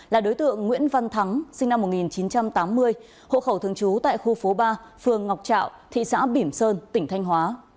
là đối tượng nguyễn văn thắng sinh năm một nghìn chín trăm tám mươi hộ khẩu thường trú tại khu phố ba phường ngọc trạo thị xã bỉm sơn tỉnh thanh hóa